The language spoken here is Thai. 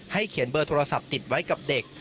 เขียนเบอร์โทรศัพท์ติดไว้กับเด็ก